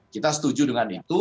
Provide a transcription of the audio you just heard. kita setuju dengan itu